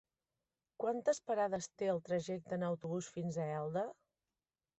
Quantes parades té el trajecte en autobús fins a Elda?